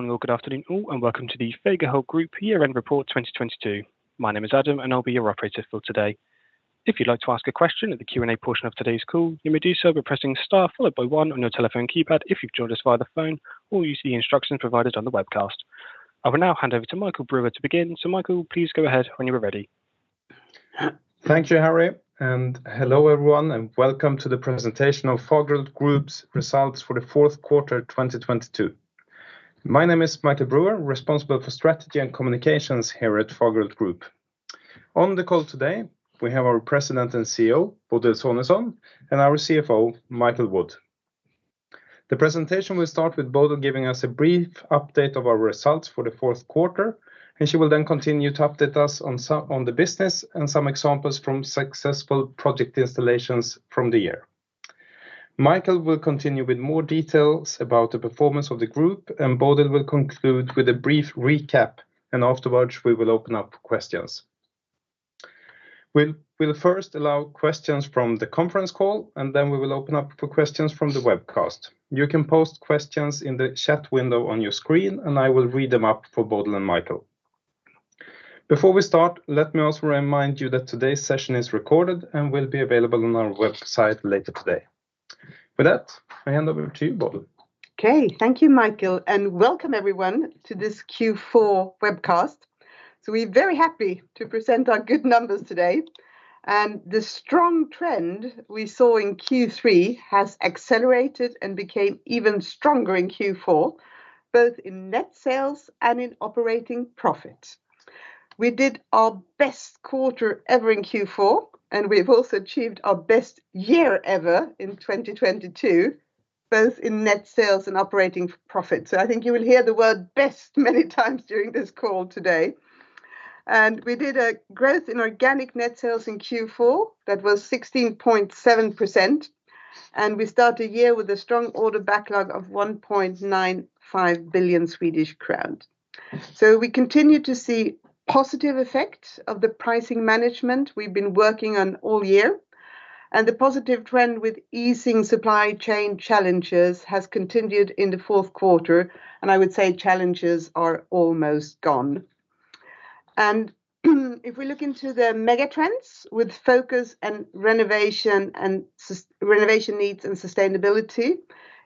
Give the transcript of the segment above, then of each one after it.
Good morning or good afternoon all, welcome to the Fagerhult Group year-end report 2022. My name is Adam, I'll be your operator for today. If you'd like to ask a question at the Q&A portion of today's call, you may do so by pressing star followed by one on your telephone keypad if you've joined us via the phone, or use the instructions provided on the webcast. I will now hand over to Michael Brüer to begin. Michael, please go ahead when you are ready. Thank you, Adam. Hello, everyone, and welcome to the presentation of Fagerhult Group's results for the fourth quarter, 2022. My name is Michael Brüer, responsible for strategy and communications here at Fagerhult Group. On the call today, we have our President and CEO, Bodil Sonesson, and our CFO, Michael Wood. The presentation will start with Bodil giving us a brief update of our results for the fourth quarter, and she will then continue to update us on the business and some examples from successful project installations from the year. Michael will continue with more details about the performance of the group, and Bodil will conclude with a brief recap, and afterwards, we will open up for questions. We'll first allow questions from the conference call, and then we will open up for questions from the webcast. You can post questions in the chat window on your screen, and I will read them up for Bodil and Michael. Before we start, let me also remind you that today's session is recorded and will be available on our website later today. With that, I hand over to you, Bodil. Okay, thank you, Michael, welcome everyone to this Q4 webcast. We're very happy to present our good numbers today. The strong trend we saw in Q3 has accelerated and became even stronger in Q4, both in net sales and in operating profit. We did our best quarter ever in Q4. We've also achieved our best year ever in 2022, both in net sales and operating profit. I think you will hear the word best many times during this call today. We did a growth in organic net sales in Q4 that was 16.7%. We start the year with a strong order backlog of 1.95 billion Swedish crowns. We continue to see positive effects of the pricing management we've been working on all year. The positive trend with easing supply chain challenges has continued in the fourth quarter. I would say challenges are almost gone. If we look into the mega trends with focus and renovation needs and sustainability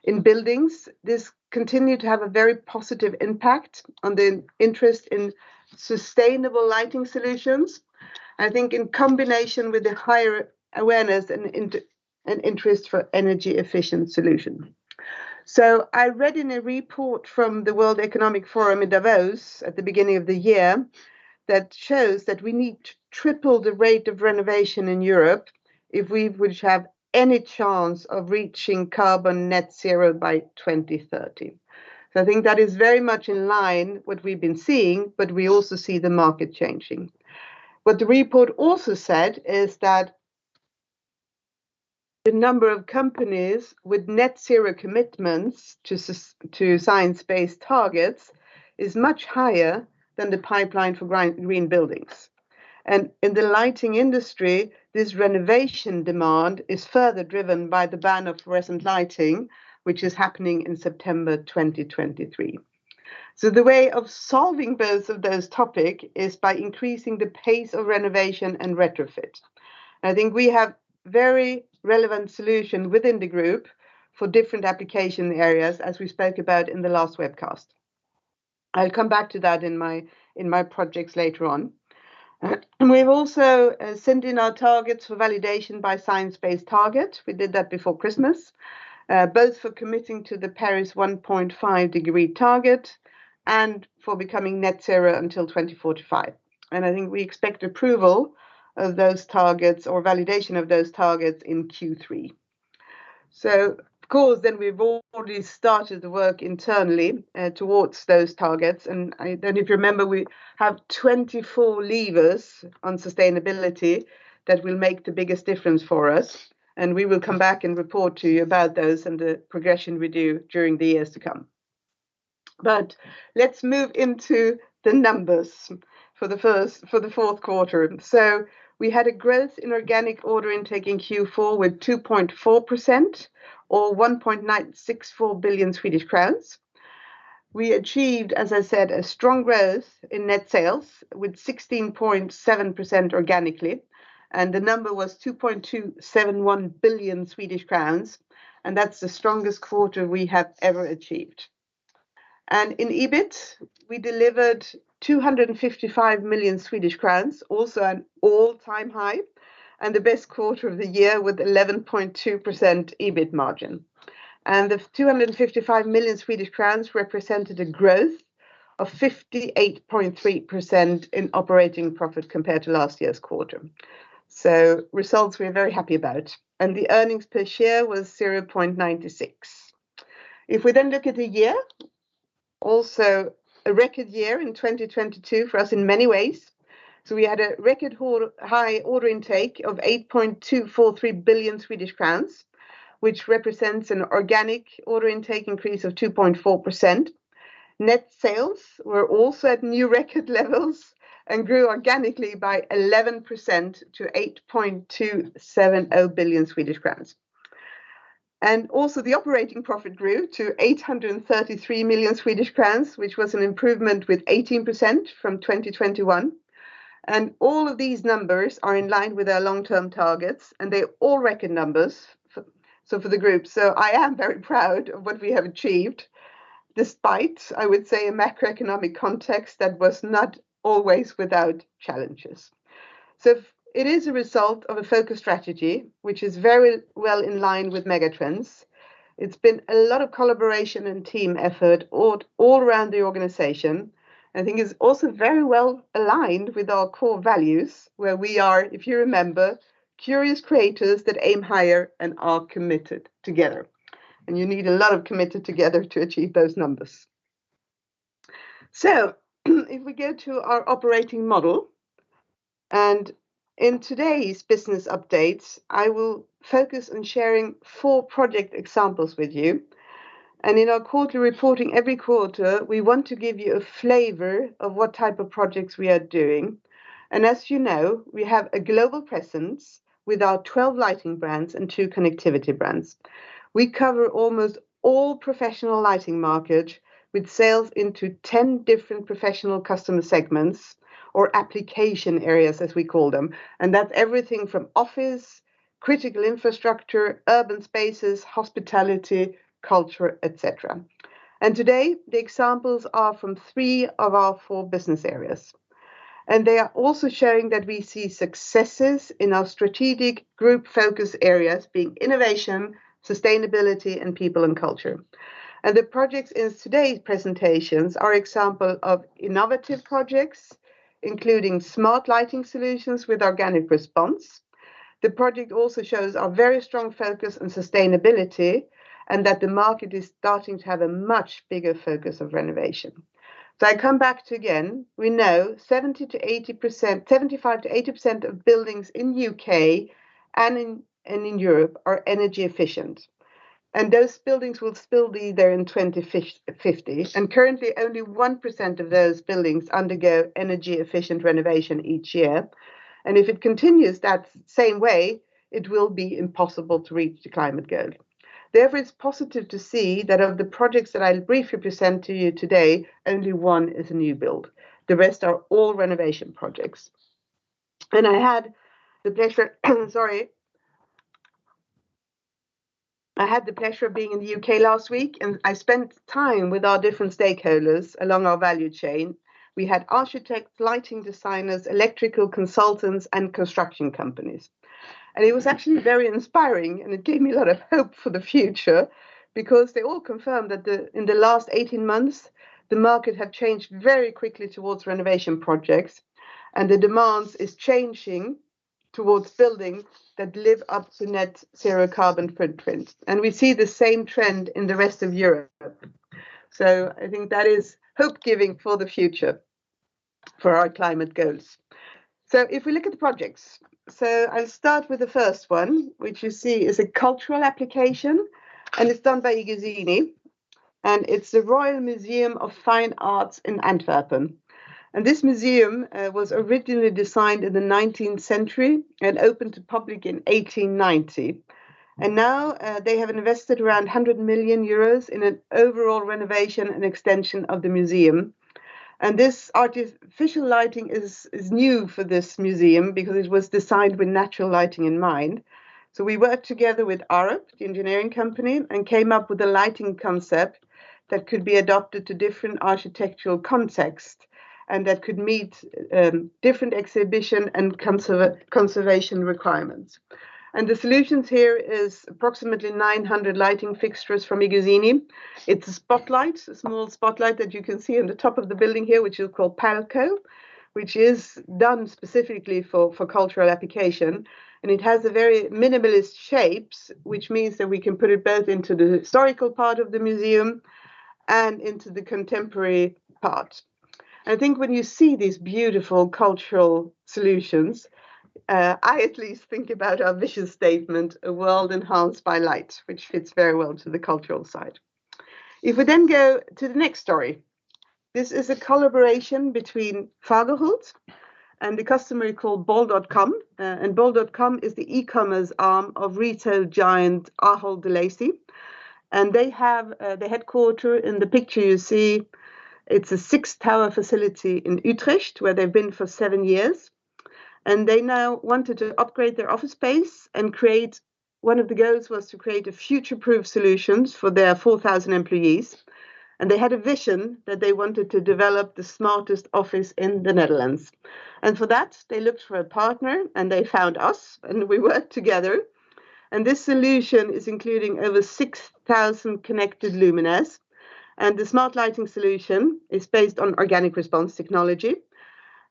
in buildings, this continued to have a very positive impact on the interest in sustainable lighting solutions, I think in combination with the higher awareness and interest for energy-efficient solution. I read in a report from the World Economic Forum in Davos at the beginning of the year that shows that we need to triple the rate of renovation in Europe if we would have any chance of reaching carbon net zero by 2030. I think that is very much in line what we've been seeing, but we also see the market changing. What the report also said is that the number of companies with net zero commitments to Science Based Targets is much higher than the pipeline for green buildings. In the lighting industry, this renovation demand is further driven by the ban of fluorescent lighting, which is happening in September 2023. The way of solving both of those topic is by increasing the pace of renovation and retrofit. I think we have very relevant solution within the group for different application areas, as we spoke about in the last webcast. I'll come back to that in my projects later on. We've also sent in our targets for validation by Science Based Target. We did that before Christmas, both for committing to the Paris 1.5 degree target and for becoming net zero until 2045. I think we expect approval of those targets or validation of those targets in Q3. Of course we've already started the work internally towards those targets. I don't know if you remember, we have 24 levers on sustainability that will make the biggest difference for us. We will come back and report to you about those and the progression we do during the years to come. Let's move into the numbers for the fourth quarter. We had a growth in organic order intake in Q4 with 2.4% or 1.964 billion Swedish crowns. We achieved, as I said, a strong growth in net sales with 16.7% organically. The number was 2.271 billion Swedish crowns, and that's the strongest quarter we have ever achieved. In EBIT, we delivered 255 million Swedish crowns, also an all-time high and the best quarter of the year with 11.2% EBIT margin. The 255 million Swedish crowns represented a growth of 58.3% in operating profit compared to last year's quarter. Results we are very happy about, and the earnings per share was 0.96. If we look at the year, also a record year in 2022 for us in many ways. We had a record high order intake of 8.243 billion Swedish crowns, which represents an organic order intake increase of 2.4%. Net sales were also at new record levels and grew organically by 11% to 8.270 billion Swedish crowns. Also the operating profit grew to 833 million Swedish crowns, which was an improvement with 18% from 2021. All of these numbers are in line with our long-term targets, and they're all record numbers for the group. I am very proud of what we have achieved despite, I would say, a macroeconomic context that was not always without challenges. It is a result of a focused strategy, which is very well in line with mega trends. It's been a lot of collaboration and team effort all around the organization. I think it's also very well-aligned with our core values, where we are, if you remember, curious creators that aim higher and are committed together, and you need a lot of committed together to achieve those numbers. If we go to our operating model, and in today's business updates, I will focus on sharing four project examples with you. In our quarterly reporting every quarter, we want to give you a flavor of what type of projects we are doing. As you know, we have a global presence with our 12 lighting brands and two connectivity brands. We cover almost all professional lighting market with sales into 10 different professional customer segments or application areas, as we call them. That's everything from office, critical infrastructure, urban spaces, hospitality, culture, et cetera. Today the examples are from three of our four business areas, and they are also showing that we see successes in our strategic group focus areas being innovation, sustainability, and people and culture. The projects in today's presentations are example of innovative projects, including smart lighting solutions with Organic Response. The project also shows our very strong focus on sustainability and that the market is starting to have a much bigger focus of renovation. I come back to again, we know 70%-80%, 75%-80% of buildings in U.K. and in Europe are energy efficient, and those buildings will still be there in 2050. Currently, only 1% of those buildings undergo energy efficient renovation each year. If it continues that same way, it will be impossible to reach the climate goal. Therefore, it's positive to see that of the projects that I'll briefly present to you today, only one is a new build. The rest are all renovation projects. I had the pleasure of being in the U.K. last week, and I spent time with our different stakeholders along our value chain. We had architects, lighting designers, electrical consultants, and construction companies. It was actually very inspiring, and it gave me a lot of hope for the future because they all confirmed that in the last 18 months, the market had changed very quickly towards renovation projects, and the demands is changing towards buildings that live up to net zero carbon footprint. We see the same trend in the rest of Europe. I think that is hope giving for the future for our climate goals. If we look at the projects, I'll start with the first one, which you see is a cultural application, and it's done by iGuzzini, and it's the Royal Museum of Fine Arts in Antwerp. This museum was originally designed in the 19th century and opened to public in 1890. Now, they have invested around 100 million euros in an overall renovation and extension of the museum. This official lighting is new for this museum because it was designed with natural lighting in mind. We worked together with Arup, the engineering company, and came up with a lighting concept that could be adapted to different architectural context and that could meet different exhibition and conservation requirements. The solutions here is approximately 900 lighting fixtures from iGuzzini. It's a spotlight, a small spotlight that you can see on the top of the building here, which is called Palco, which is done specifically for cultural application. It has a very minimalist shapes, which means that we can put it both into the historical part of the museum and into the contemporary part. I think when you see these beautiful cultural solutions, I at least think about our vision statement, A World Enhanced by Light, which fits very well to the cultural side. If we go to the next story, this is a collaboration between Fagerhult, and the customer is called bol.com. bol.com is the e-commerce arm of retail giant Ahold Delhaize. They have the headquarter in the picture you see. It's a six tower facility in Utrecht where they've been for seven years. They now wanted to upgrade their office space and create. One of the goals was to create a future-proof solutions for their 4,000 employees. They had a vision that they wanted to develop the smartest office in the Netherlands. For that they looked for a partner, and they found us, and we worked together. This solution is including over 6,000 connected luminaires. The smart lighting solution is based on Organic Response technology.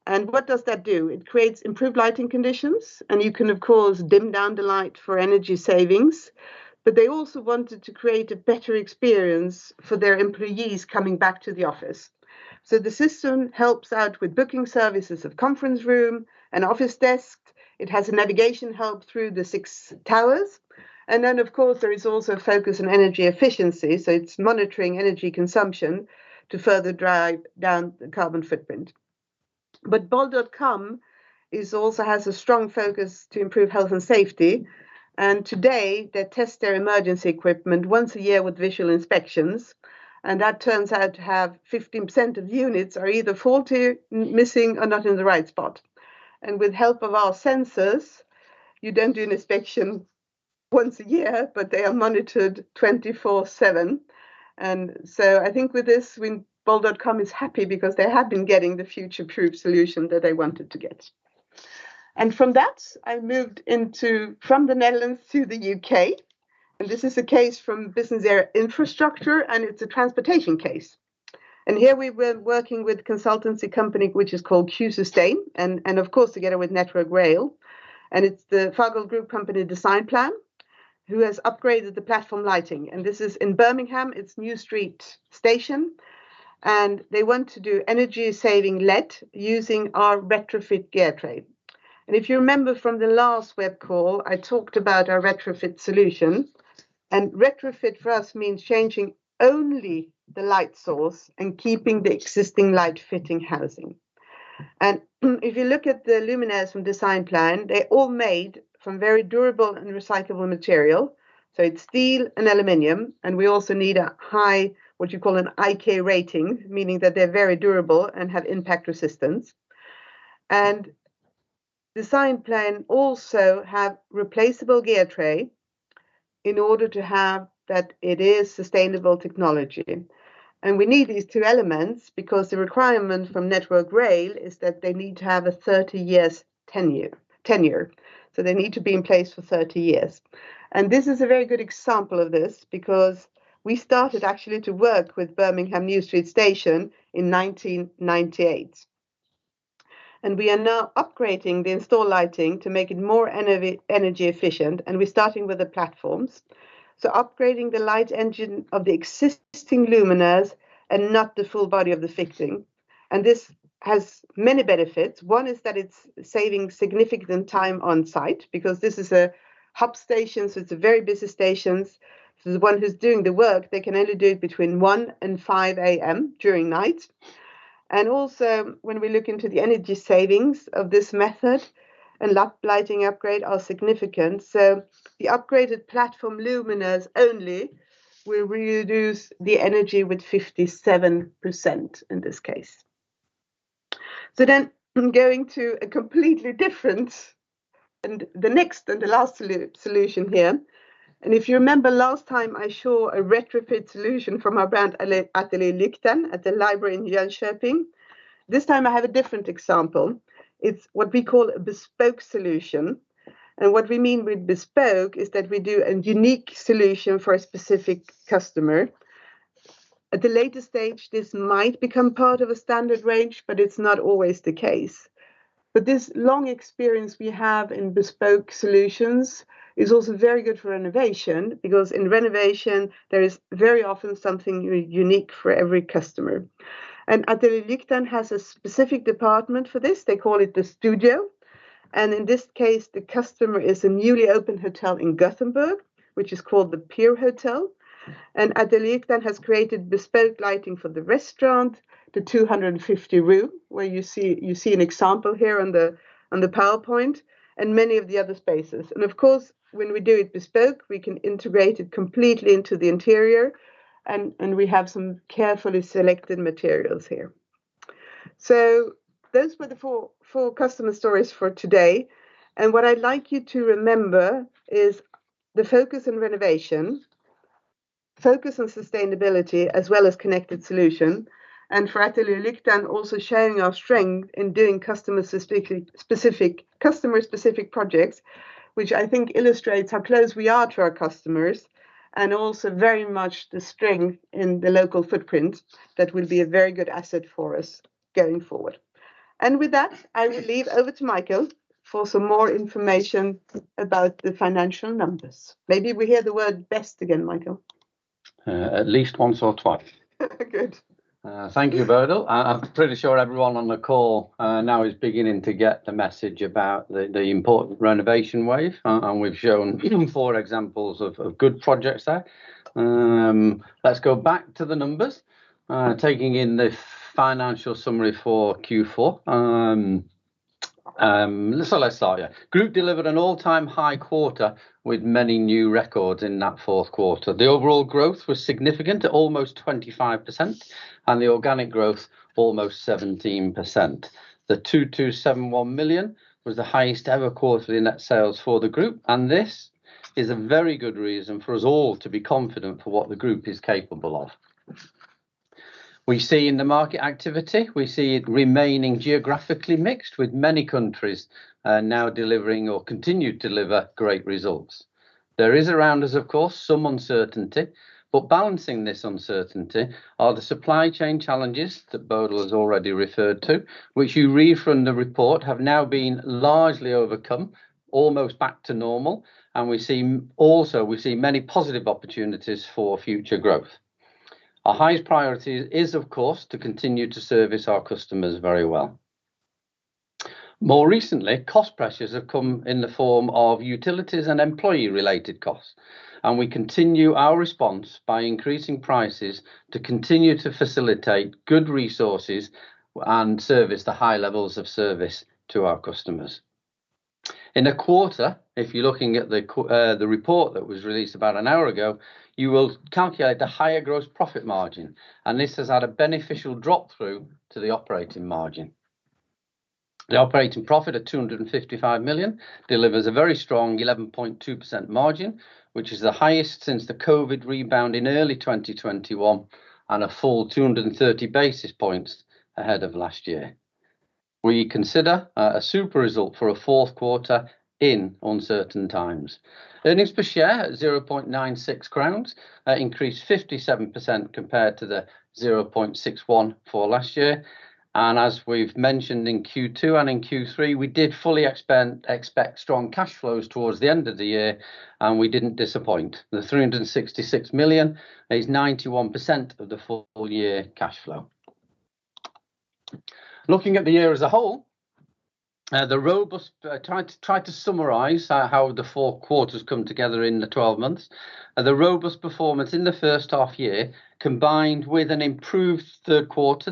What does that do? It creates improved lighting conditions, and you can, of course, dim down the light for energy savings. They also wanted to create a better experience for their employees coming back to the office. The system helps out with booking services of conference room and office desk. It has a navigation help through the six towers. Of course, there is also focus on energy efficiency, so it's monitoring energy consumption to further drive down the carbon footprint. bol.com also has a strong focus to improve health and safety, and today they test their emergency equipment once a year with visual inspections, and that turns out to have 15% of units are either faulty, missing, or not in the right spot. With help of our sensors, you don't do an inspection once a year, but they are monitored 24/7. I think with this, bol.com is happy because they have been getting the future-proof solution that they wanted to get. From that, I moved into from the Netherlands to the U.K., and this is a case from business area Infrastructure, and it's a transportation case. Here we were working with consultancy company, which is called Q Sustain and of course together with Network Rail, and it's the Fagerhult Group company Designplan who has upgraded the platform lighting. This is in Birmingham. It's New Street Station, and they want to do energy-saving let using our retrofit gear tray. If you remember from the last web call, I talked about our retrofit solution, and retrofit for us means changing only the light source and keeping the existing light fitting housing. If you look at the luminaires from Designplan, they're all made from very durable and recyclable material. So it's steel and aluminum, and we also need a high, what you call an IK rating, meaning that they're very durable and have impact resistance. Designplan also have replaceable gear tray in order to have that it is sustainable technology. We need these two elements because the requirement from Network Rail is that they need to have a 30 years tenure. They need to be in place for 30 years. This is a very good example of this because we started actually to work with Birmingham New Street Station in 1998, and we are now upgrading the installed lighting to make it more energy efficient, and we're starting with the platforms. Upgrading the light engine of the existing luminaires and not the full body of the fitting. This has many benefits. One is that it's saving significant time on site because this is a hub station, so it's a very busy stations. The one who's doing the work, they can only do it between 1:00 and 5:00 A.M. during night. Also when we look into the energy savings of this method and lap lighting upgrade are significant. The upgraded platform luminaires only will reduce the energy with 57% in this case. I'm going to a completely different and the next and the last solution here. If you remember last time I show a retrofit solution from our brand ateljé Lyktan at the library in Jönköping. This time I have a different example. It's what we call a bespoke solution. What we mean with bespoke is that we do a unique solution for a specific customer. At the later stage, this might become part of a standard range, but it's not always the case. This long experience we have in bespoke solutions is also very good for renovation because in renovation there is very often something unique for every customer. Ateljé Lyktan has a specific department for this. They call it The Studio. In this case, the customer is a newly opened hotel in Gothenburg, which is called the Pier Hotel. Ateljé Lyktan has created bespoke lighting for the restaurant, the 250 room where you see an example here on the PowerPoint and many of the other spaces. Of course, when we do it bespoke, we can integrate it completely into the interior, and we have some carefully selected materials here. Those were the four customer stories for today. What I'd like you to remember is the focus on renovation, focus on sustainability, as well as connected solution. For Ateljé Lyktan, also sharing our strength in doing customer specific... customer-specific projects, which I think illustrates how close we are to our customers and also very much the strength in the local footprint that will be a very good asset for us going forward. With that, I will leave over to Michael for some more information about the financial numbers. Maybe we hear the word best again, Michael? At least once or twice. Good. Thank you, Bodil. I'm pretty sure everyone on the call now is beginning to get the message about the important renovation wave. We've shown four examples of good projects there. Let's go back to the numbers, taking in the financial summary for Q4. Let's start here. Group delivered an all-time high quarter with many new records in that fourth quarter. The overall growth was significant at almost 25%, and the organic growth almost 17%. 2,271 million was the highest ever quarterly net sales for the Group. This is a very good reason for us all to be confident for what the Group is capable of. We see in the market activity, we see it remaining geographically mixed with many countries now delivering or continue to deliver great results. There is around us, of course, some uncertainty, but balancing this uncertainty are the supply chain challenges that Bodil has already referred to, which you read from the report, have now been largely overcome, almost back to normal. Also we see many positive opportunities for future growth. Our highest priority is, of course, to continue to service our customers very well. More recently, cost pressures have come in the form of utilities and employee-related costs. We continue our response by increasing prices to continue to facilitate good resources and service the high levels of service to our customers. In a quarter, if you're looking at the report that was released about an hour ago, you will calculate the higher gross profit margin. This has had a beneficial drop-through to the operating margin. The operating profit of 255 million delivers a very strong 11.2% margin, which is the highest since the COVID rebound in early 2021 and a full 230 basis points ahead of last year. We consider a super result for a fourth quarter in uncertain times. Earnings per share at 0.96 crowns increased 57% compared to the 0.61 for last year. As we've mentioned in Q2 and in Q3, we did fully expect strong cash flows towards the end of the year, and we didn't disappoint. The 366 million is 91% of the full year cash flow. Looking at the year as a whole, the robust try to summarize how the four quarters come together in the 12 months. The robust performance in the first half year, combined with an improved third quarter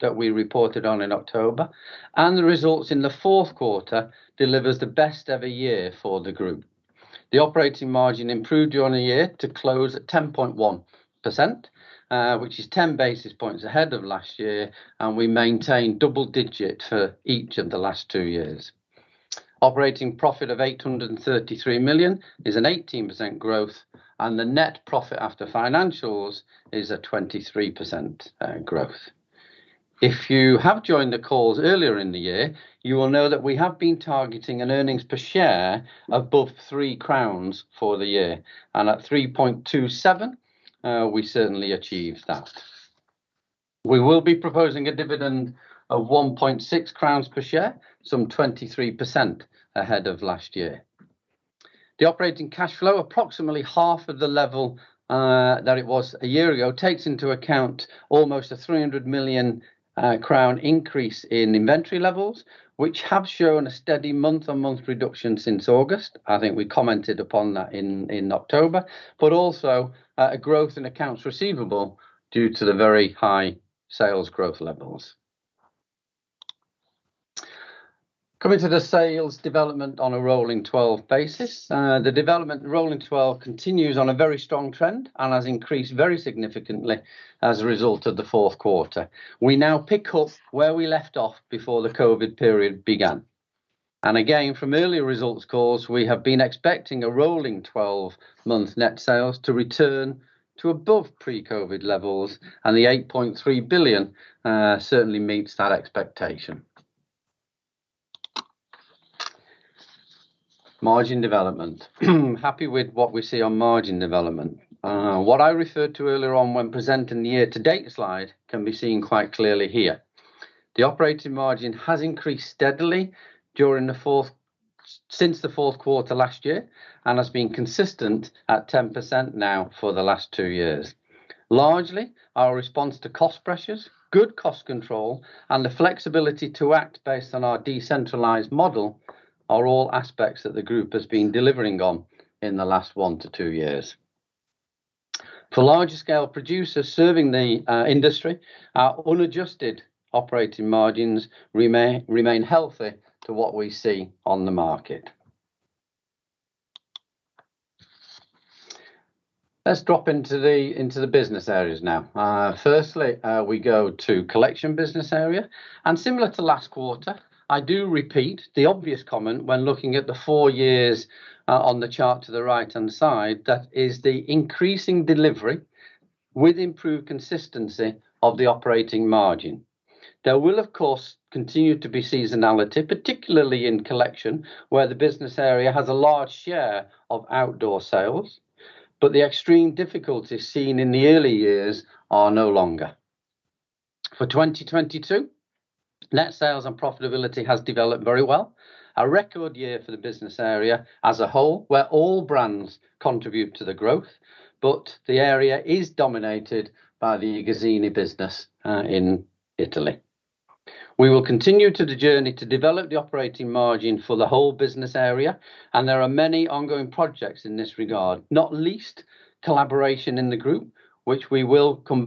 that we reported on in October, the results in the fourth quarter delivers the best ever year for the group. The operating margin improved on a year to close at 10.1%, which is 10 basis points ahead of last year, we maintained double digit for each of the last two years. Operating profit of 833 million is an 18% growth, the net profit after financials is a 23% growth. If you have joined the calls earlier in the year, you will know that we have been targeting an earnings per share above 3 crowns for the year. At 3.27, we certainly achieved that. We will be proposing a dividend of 1.6 crowns per share, some 23% ahead of last year. The operating cash flow, approximately half of the level that it was a year ago, takes into account almost a 300 million crown increase in inventory levels, which have shown a steady month-on-month reduction since August. I think we commented upon that in October, but also a growth in accounts receivable due to the very high sales growth levels. Coming to the sales development on a rolling twelve basis. The development rolling twelve continues on a very strong trend and has increased very significantly as a result of the fourth quarter. We now pick up where we left off before the COVID period began. From earlier results calls, we have been expecting a rolling twelve-month net sales to return to above pre-COVID levels, and the 8.3 billion certainly meets that expectation. Margin development. Happy with what we see on margin development. What I referred to earlier on when presenting the year-to-date slide can be seen quite clearly here. The operating margin has increased steadily since the fourth quarter last year and has been consistent at 10% now for the last two years. Largely, our response to cost pressures, good cost control, and the flexibility to act based on our decentralized model are all aspects that the group has been delivering on in the last one to two years. For larger scale producers serving the industry, our unadjusted operating margins remain healthy to what we see on the market. Let's drop into the, into the business areas now. Firstly, we go to Collection business area. Similar to last quarter, I do repeat the obvious comment when looking at the four years on the chart to the right-hand side, that is the increasing delivery with improved consistency of the operating margin. There will, of course, continue to be seasonality, particularly in Collection, where the business area has a large share of outdoor sales, but the extreme difficulties seen in the early years are no longer. For 2022, net sales and profitability has developed very well. A record year for the business area as a whole, where all brands contribute to the growth, but the area is dominated by the iGuzzini business in Italy. We will continue to the journey to develop the operating margin for the whole business area, and there are many ongoing projects in this regard, not least collaboration in the Group, which we will come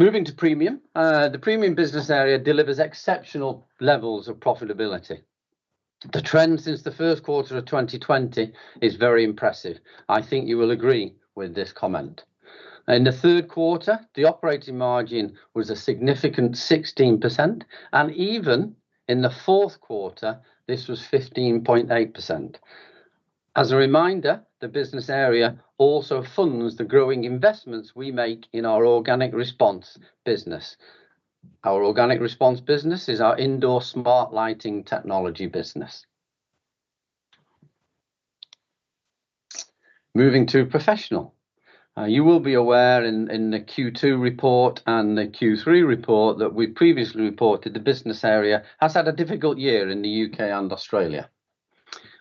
back to in our April webcast. Moving to Premium. The Premium business area delivers exceptional levels of profitability. The trend since the first quarter of 2020 is very impressive. I think you will agree with this comment. In the third quarter, the operating margin was a significant 16%, and even in the fourth quarter, this was 15.8%. As a reminder, the business area also funds the growing investments we make in our Organic Response business. Our Organic Response business is our indoor smart lighting technology business. Moving to Professional. You will be aware in the Q2 report and the Q3 report that we previously reported the business area has had a difficult year in the U.K. and Australia.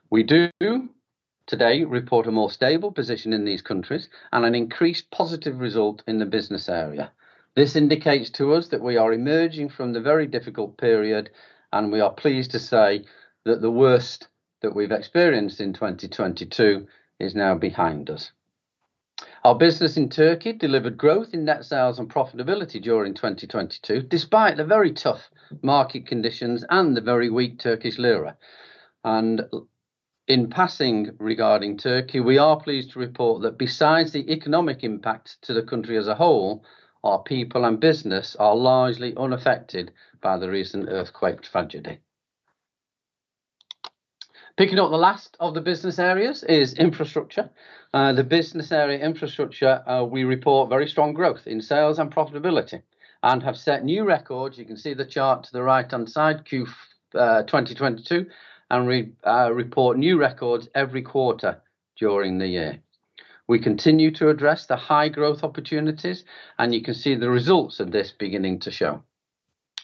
We do today report a more stable position in these countries and an increased positive result in the business area. This indicates to us that we are emerging from the very difficult period. We are pleased to say that the worst that we've experienced in 2022 is now behind us. Our business in Turkey delivered growth in net sales and profitability during 2022, despite the very tough market conditions and the very weak Turkish lira. In passing regarding Turkey, we are pleased to report that besides the economic impact to the country as a whole, our people and business are largely unaffected by the recent earthquake tragedy. Picking up the last of the business areas is Infrastructure. The business area Infrastructure, we report very strong growth in sales and profitability, and have set new records. You can see the chart to the right-hand side Q 2022, and we report new records every quarter during the year. We continue to address the high growth opportunities, and you can see the results of this beginning to show.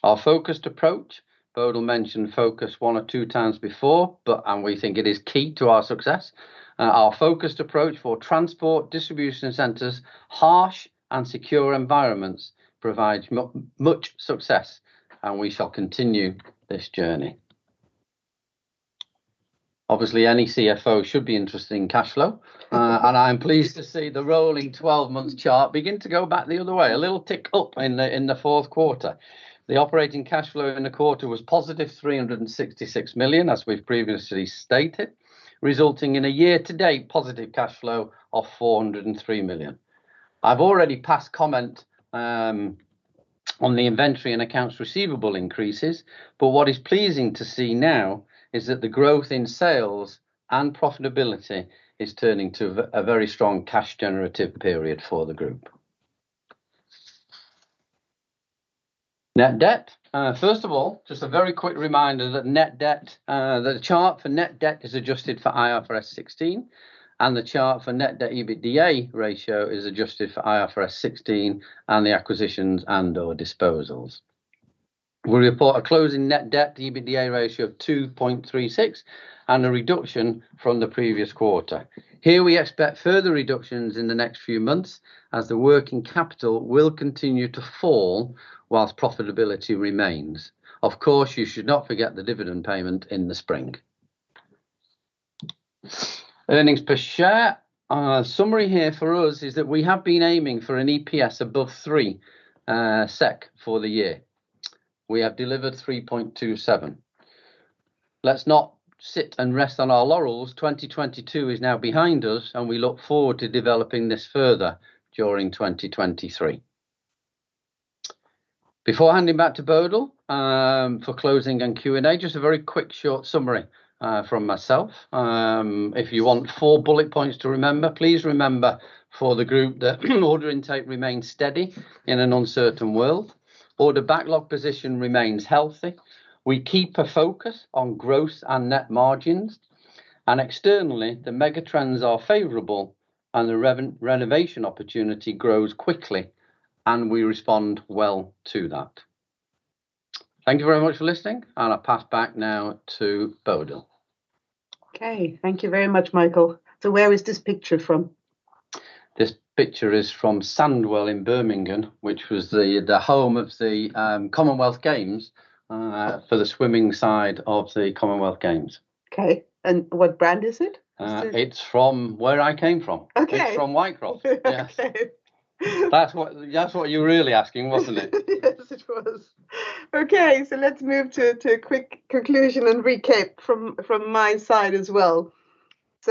Our focused approach, Bodil mentioned focus one or two times before, and we think it is key to our success, our focused approach for transport, distribution centers, harsh and secure environments provide much success, and we shall continue this journey. Obviously, any CFO should be interested in cash flow, I'm pleased to see the rolling twelve-month chart begin to go back the other way, a little tick up in the fourth quarter. The operating cash flow in the quarter was positive 366 million, as we've previously stated, resulting in a year-to-date positive cash flow of 403 million. I've already passed comment on the inventory and accounts receivable increases, but what is pleasing to see now is that the growth in sales and profitability is turning to a very strong cash generative period for the group. Net debt. First of all, just a very quick reminder that net debt, the chart for net debt is adjusted for IFRS 16, and the chart for net debt EBITDA ratio is adjusted for IFRS 16 and the acquisitions and/or disposals. We report a closing net debt to EBITDA ratio of 2.36 and a reduction from the previous quarter. We expect further reductions in the next few months as the working capital will continue to fall whilst profitability remains. Of course, you should not forget the dividend payment in the spring. Earnings per share. Our summary here for us is that we have been aiming for an EPS above 3 SEK for the year. We have delivered 3.27. Let's not sit and rest on our laurels. 2022 is now behind us. We look forward to developing this further during 2023. Before handing back to Bodil, for closing and Q&A, just a very quick short summary from myself. If you want four bullet points to remember, please remember for the group that order intake remains steady in an uncertain world, order backlog position remains healthy, we keep a focus on gross and net margins. Externally, the megatrends are favorable and the renovation opportunity grows quickly. We respond well to that. Thank you very much for listening. I pass back now to Bodil. Okay. Thank you very much, Michael. Where is this picture from? This picture is from Sandwell in Birmingham, which was the home of the Commonwealth Games, for the swimming side of the Commonwealth Games. Okay. What brand is it? It's from where I came from. Okay. It's from Whitecroft. Yes. Okay. That's what you were really asking, wasn't it? Yes, it was. Let's move to a quick conclusion and recap from my side as well.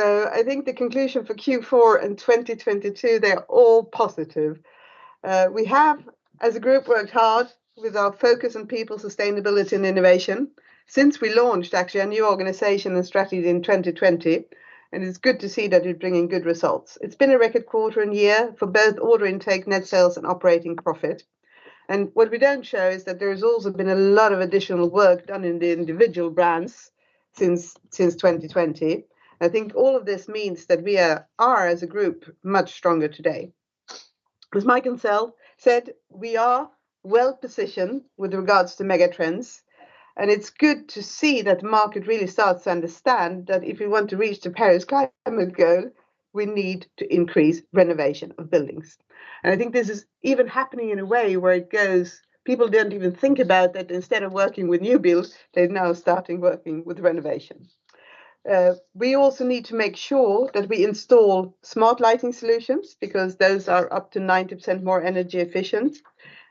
I think the conclusion for Q4 and 2022, they're all positive. We have, as a group, worked hard with our focus on people, sustainability and innovation since we launched actually our new organization and strategy in 2020, and it's good to see that it's bringing good results. It's been a record quarter and year for both order intake, net sales and operating profit. What we don't show is that there has also been a lot of additional work done in the individual brands since 2020. I think all of this means that we are as a group much stronger today. As Michael said, we are well-positioned with regards to megatrends. It's good to see that the market really starts to understand that if we want to reach the Paris climate goal, we need to increase renovation of buildings. I think this is even happening in a way where it goes, people didn't even think about that instead of working with new builds, they're now starting working with renovations. We also need to make sure that we install smart lighting solutions because those are up to 90% more energy efficient,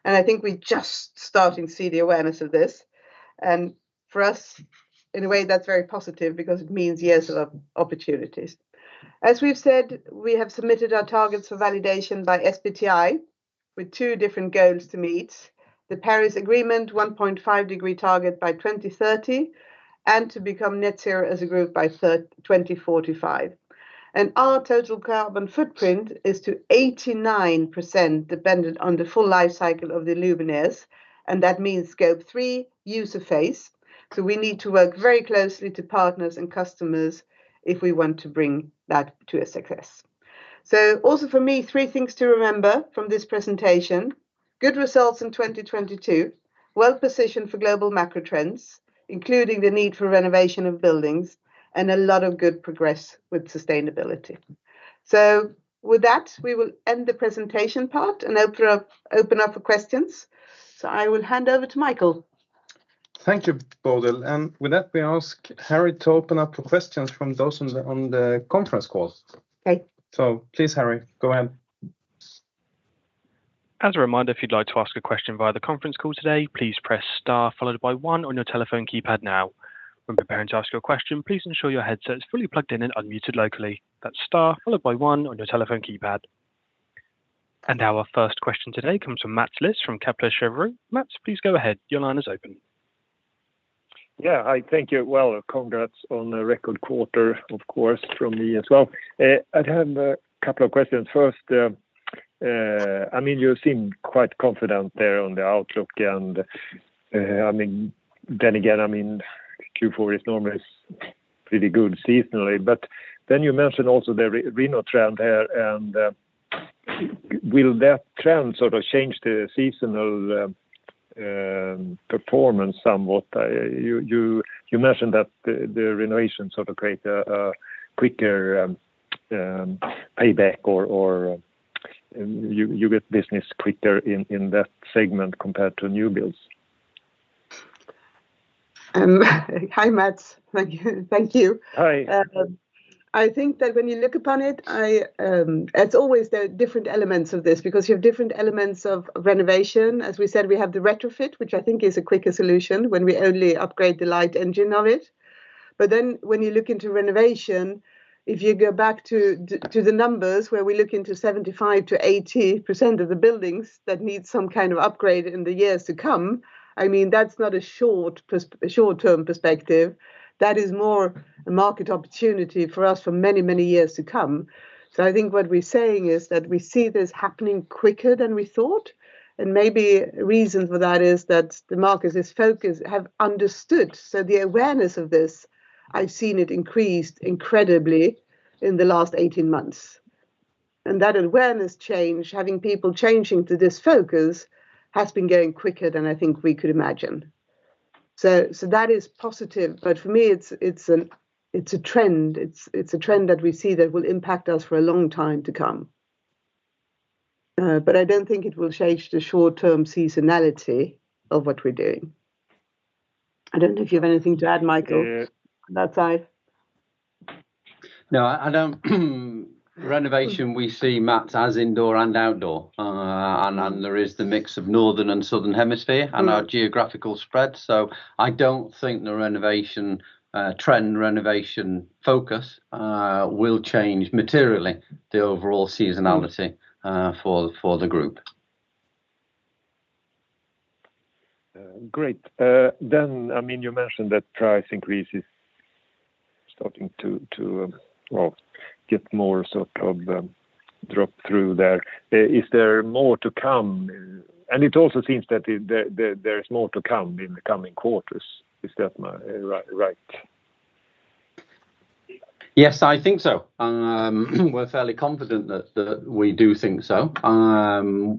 and I think we're just starting to see the awareness of this. For us, in a way, that's very positive because it means years of opportunities. As we've said, we have submitted our targets for validation by SBTi with two different goals to meet, the Paris Agreement 1.5 degree target by 2030, and to become net zero as a group by 2045. Our total carbon footprint is to 89% dependent on the full life cycle of the luminaires, and that means Scope 3 user phase. We need to work very closely to partners and customers if we want to bring that to a success. Also for me, three things to remember from this presentation. Good results in 2022, well positioned for global macro trends, including the need for renovation of buildings and a lot of good progress with sustainability. With that, we will end the presentation part and open up for questions. I will hand over to Michael. Thank you, Bodil. With that, we ask Harry to open up for questions from those on the conference call. Okay. Please, Harry, go ahead. As a reminder, if you'd like to ask a question via the conference call today, please press star followed by one on your telephone keypad now. When preparing to ask your question, please ensure your headset is fully plugged in and unmuted locally. That's star followed by one on your telephone keypad. Our first question today comes from Mats Liss from Kepler Cheuvreux. Mats, please go ahead. Your line is open. Yeah. Hi. Thank you. Well, congrats on a record quarter, of course, from me as well. I'd have a couple of questions. First, I mean, you seem quite confident there on the outlook. I mean, then again, I mean, Q4 is normally pretty good seasonally. Then you mentioned also the re-reno trend here, and will that trend sort of change the seasonal performance somewhat? You mentioned that the renovation sort of create a quicker payback or you get business quicker in that segment compared to new builds. Hi, Mats. Thank you. Thank you. Hi. I think that when you look upon it, I, there are different elements of this because you have different elements of renovation. As we said, we have the retrofit, which I think is a quicker solution when we only upgrade the light engine of it. When you look into renovation, if you go back to the numbers where we look into 75%-80% of the buildings that need some kind of upgrade in the years to come, I mean, that's not a short-term perspective. That is more a market opportunity for us for many, many years to come. I think what we're saying is that we see this happening quicker than we thought, and maybe reason for that is that the market is focused, have understood. The awareness of this, I've seen it increased incredibly in the last 18 months. That awareness change, having people changing to this focus, has been going quicker than I think we could imagine. That is positive, but for me, it's a trend. It's a trend that we see that will impact us for a long time to come. I don't think it will change the short-term seasonality of what we're doing. I don't know if you have anything to add, Michael? Yeah. On that side. No. I don't. Renovation, we see, Mats, as indoor and outdoor. And there is the mix of Northern and Southern Hemisphere- Mm-hmm... and our geographical spread. I don't think the renovation trend renovation focus will change materially the overall seasonality for the group. Great. Then, I mean, you mentioned that price increase is starting to well, get more sort of drop through there. Is there more to come? It also seems that there's more to come in the coming quarters. Is that right? Right? Yes, I think so. We're fairly confident that we do think so.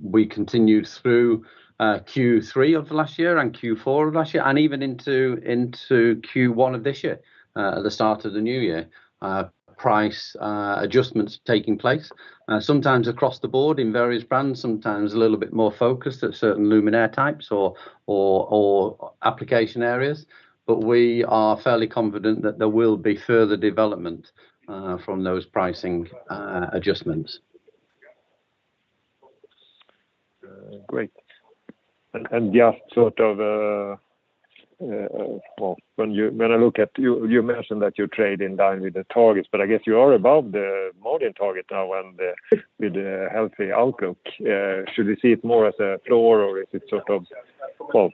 We continued through Q3 of last year and Q4 of last year and even into Q1 of this year, the start of the new year, price adjustments taking place, sometimes across the board in various brands, sometimes a little bit more focused at certain luminaire types or application areas. We are fairly confident that there will be further development from those pricing adjustments. Great. Just sort of, well, when I look at you mentioned that you trade in line with the targets, but I guess you are above the margin target now and with a healthy outlook. Should we see it more as a floor, or is it sort of, well,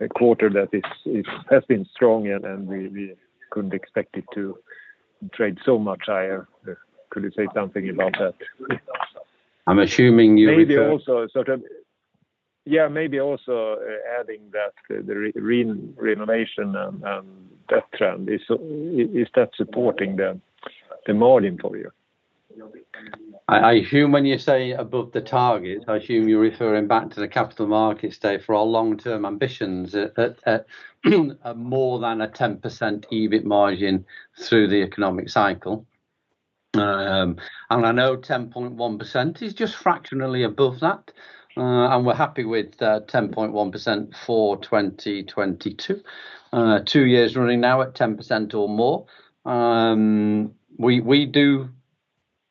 a quarter that is has been strong and we couldn't expect it to trade so much higher? Could you say something about that? I'm assuming you refer- Maybe also sort of... Yeah, maybe also, adding that the renovation and that trend is that supporting the margin for you? I assume when you say above the target, I assume you're referring back to the capital markets day for our long-term ambitions at more than a 10% EBIT margin through the economic cycle. I know 10.1% is just fractionally above that, and we're happy with the 10.1% for 2022, two years running now at 10% or more. We do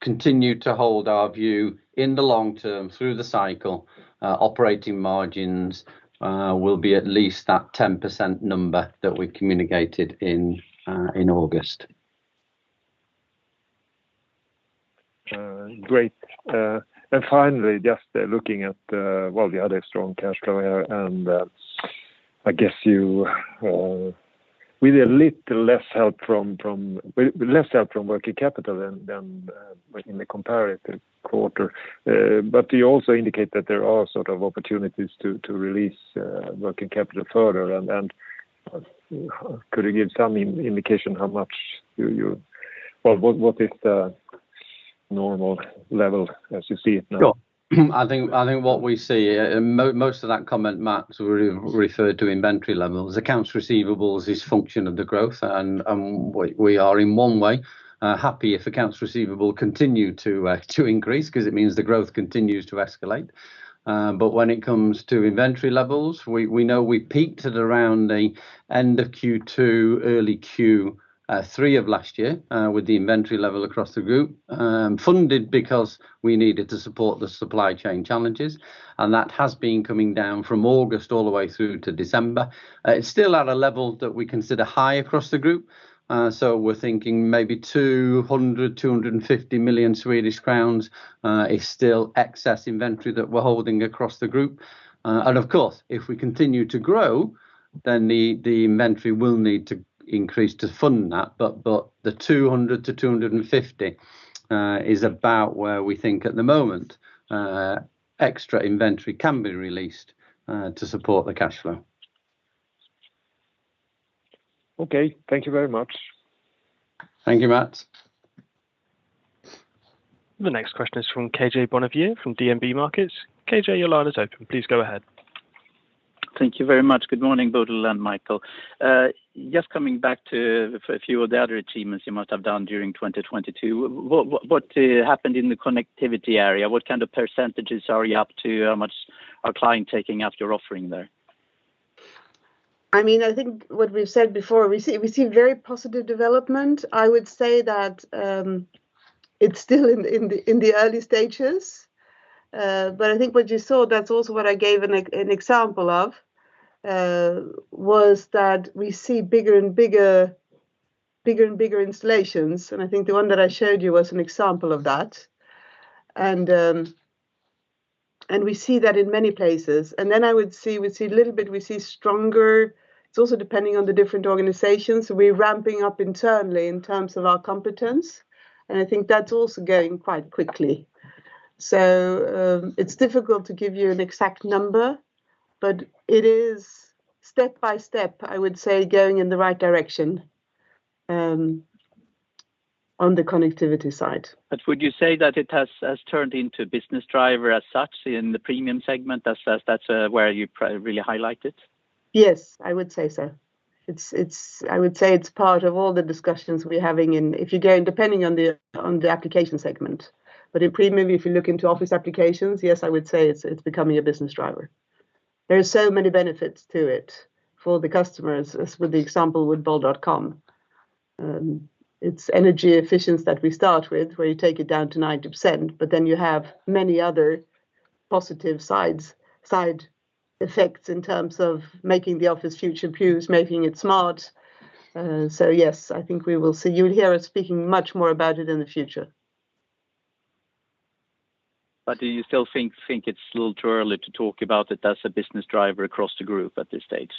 continue to hold our view in the long term through the cycle, operating margins will be at least that 10% number that we communicated in August. Great. Finally, just looking at, well, you had a strong cash flow here, and I guess you with less help from working capital than within the comparative quarter. But you also indicate that there are sort of opportunities to release working capital further. Could you give some indication how much you. Well, what is the normal level as you see it now? Sure. I think what we see, and most of that comment Mats referred to inventory levels. Accounts receivables is function of the growth, and we are in one way happy if accounts receivable continue to increase 'cause it means the growth continues to escalate. But when it comes to inventory levels, we know we peaked at around the end of Q2, early Q3 of last year, with the inventory level across the group, funded because we needed to support the supply chain challenges. That has been coming down from August all the way through to December. So it's still at a level that we consider high across the group, we're thinking maybe 200 million-250 million Swedish crowns is still excess inventory that we're holding across the group. Of course, if we continue to grow, then the inventory will need to increase to fund that. The 200-250 is about where we think at the moment, extra inventory can be released, to support the cash flow. Okay. Thank you very much. Thank you, Mats. The next question is from KJ Bonnevier from DNB Markets. KJ, your line is open. Please go ahead. Thank you very much. Good morning, Bodil and Michael. Just coming back to a few of the other achievements you must have done during 2022. What, what happened in the connectivity area? What kind of % are you up to? How much are client taking after offering there? I mean, I think what we've said before, we see very positive development. I would say that it's still in the early stages. I think what you saw, that's also what I gave an example of, was that we see bigger and bigger installations, and I think the one that I showed you was an example of that. We see that in many places. I would see, we see a little bit stronger... It's also depending on the different organizations. We're ramping up internally in terms of our competence, and I think that's also going quite quickly. It's difficult to give you an exact number, but it is step by step, I would say, going in the right direction on the connectivity side. would you say that it has turned into a business driver as such in the Premium segment as that's where you really highlight it? Yes, I would say so. It's I would say it's part of all the discussions we're having in, if you're going, depending on the application segment. In Premium, if you look into office applications, yes, I would say it's becoming a business driver. There are so many benefits to it for the customers, as with the example with bol.com. It's energy efficiency that we start with, where you take it down to 90%, but then you have many other positive sides, side effects in terms of making the office future proofs, making it smart. Yes, I think we will see. You'll hear us speaking much more about it in the future. Do you still think it's a little too early to talk about it as a business driver across the Group at this stage?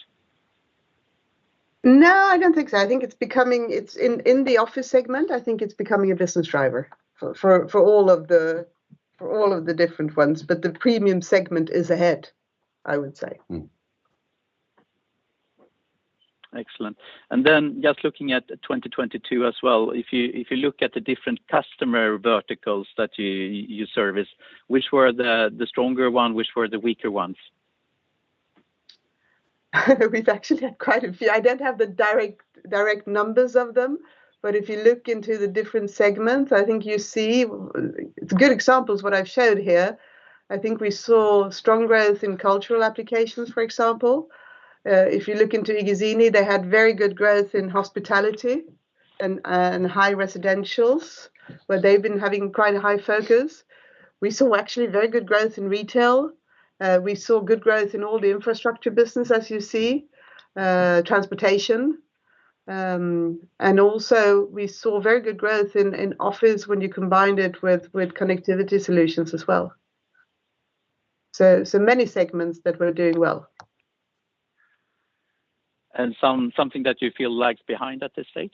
No, I don't think so. It's in the office segment, I think it's becoming a business driver for all of the different ones. The Premium segment is ahead, I would say. Mm-hmm. Excellent. Just looking at 2022 as well, if you, if you look at the different customer verticals that you service, which were the stronger one, which were the weaker ones? We've actually had quite a few. I don't have the direct numbers of them, but if you look into the different segments, I think you see. It's good examples what I've showed here. I think we saw strong growth in cultural applications, for example. If you look into iGuzzini, they had very good growth in hospitality and high residentials, where they've been having quite a high focus. We saw actually very good growth in retail. We saw good growth in all the Infrastructure business as you see, transportation. Also we saw very good growth in office when you combined it with connectivity solutions as well. Many segments that were doing well. Something that you feel lags behind at this stage?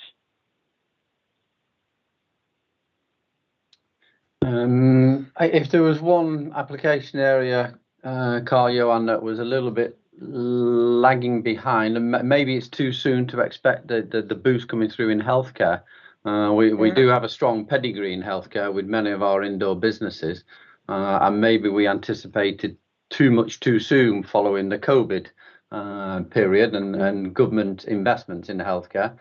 If there was one application area, Karl-Johan, that was a little bit lagging behind, and maybe it's too soon to expect the boost coming through in healthcare. We do have a strong pedigree in healthcare with many of our indoor businesses, and maybe we anticipated too much too soon following the COVID period and government investments in healthcare.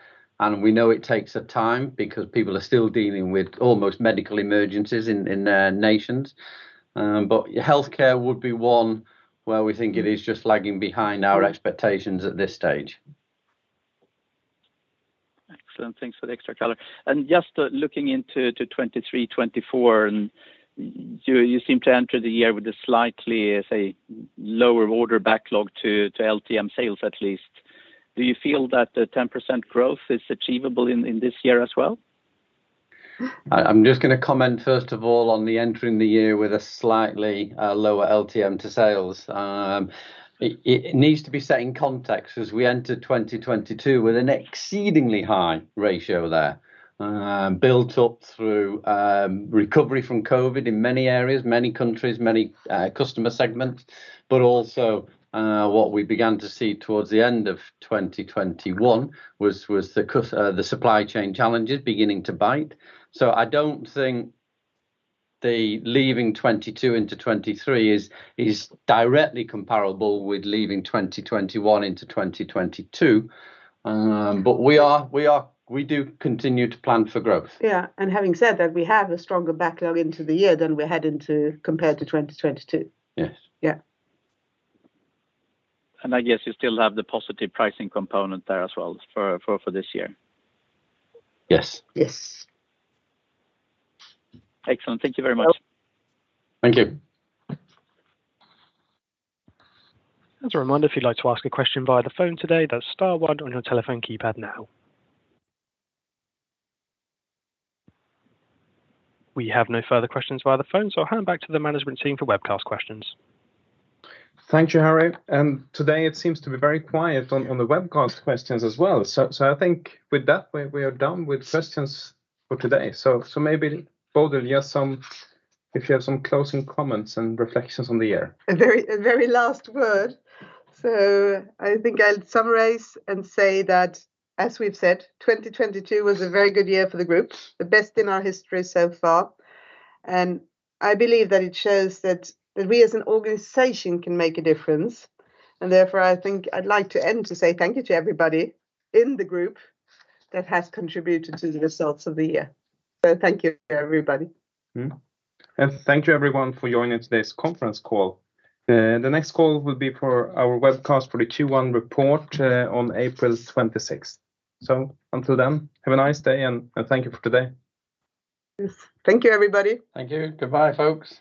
We know it takes up time because people are still dealing with almost medical emergencies in their nations. Healthcare would be one where we think it is just lagging behind our expectations at this stage. Excellent. Thanks for the extra color. Just looking into 2023, 2024, and you seem to enter the year with a slightly, say, lower order backlog to LTM sales at least. Do you feel that the 10% growth is achievable in this year as well? I'm just gonna comment first of all on the entering the year with a slightly lower LTM to sales. It needs to be set in context as we enter 2022 with an exceedingly high ratio there, built up through recovery from COVID in many areas, many countries, many customer segments. Also, what we began to see towards the end of 2021 was the supply chain challenges beginning to bite. I don't think the leaving 2022 into 2023 is directly comparable with leaving 2021 into 2022. We do continue to plan for growth. Yeah. Having said that, we have a stronger backlog into the year than we had compared to 2022. Yes. Yeah. I guess you still have the positive pricing component there as well for this year? Yes. Yes. Excellent. Thank you very much. Thank you. Thank you. As a reminder, if you'd like to ask a question via the phone today, that's star one on your telephone keypad now. We have no further questions via the phone, I'll hand back to the management team for webcast questions. Thank you, Harry. Today it seems to be very quiet on the webcast questions as well. I think with that, we are done with questions for today. Maybe Bodil, if you have some closing comments and reflections on the year? A very last word. I think I'll summarize and say that as we've said, 2022 was a very good year for the group, the best in our history so far. I believe that it shows that we as an organization can make a difference. Therefore, I think I'd like to end to say thank you to everybody in the group that has contributed to the results of the year. Thank you, everybody. Thank you everyone for joining today's conference call. The next call will be for our webcast for the Q1 report, on April 26th. Until then, have a nice day and thank you for today. Yes. Thank you everybody. Thank you. Goodbye folks.